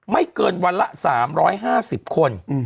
ไม่เกินวันละ๓๕๐คน